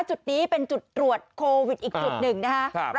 จุดนี้เป็นจุดตรวจโควิดอีกจุดหนึ่งนะคะ